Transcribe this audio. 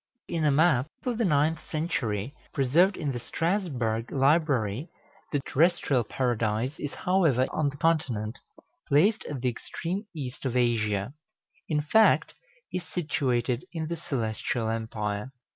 In a map of the ninth century, preserved in the Strasbourg library, the terrestrial Paradise is, however, on the Continent, placed at the extreme east of Asia; in fact, is situated in the Celestial Empire.